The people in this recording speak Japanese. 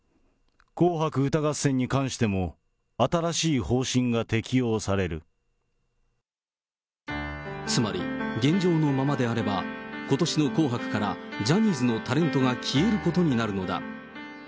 紅白歌合戦に関しても、つまり、現状のままであれば、ことしの紅白からジャニーズのタレントが消えることになるのだ。